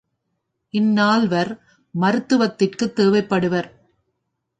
இந் நால்வர் மருத்துவத்திற்குத் தேவைப்படுவர்.